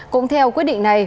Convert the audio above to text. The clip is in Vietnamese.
cũng theo quyết định này